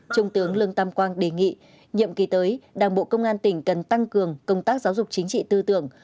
trung tướng lương tam quang đề nghị nhiệm kỳ tới đảng bộ công an tỉnh cần tăng cường công tác giáo dục chính trị tư tưởng